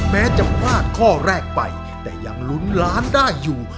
แม้จะพลาดข้อแรกไปแต่ยังลุ้นล้านได้อยู่